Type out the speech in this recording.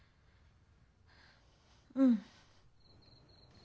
うん。